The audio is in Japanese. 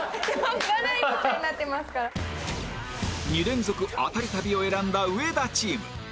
２連続アタリ旅を選んだ上田チーム